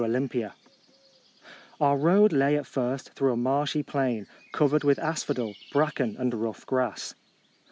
553 Our road lay at first through a marshy plain, covered with asphodel, bracken, and rough grass.